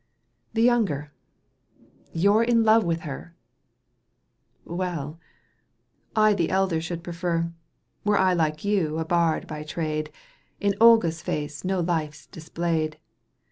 —" The younger, you're in love with her !"" Well !"—" I the elder should prefer. Were I like you a bard by trade — In Olga's face no life's displayed.